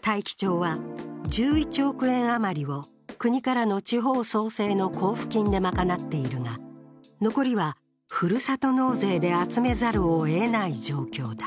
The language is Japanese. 大樹町は１１億円余りを国からの地方創生の交付金で賄っているが残りはふるさと納税で集めざるをえない状況だ。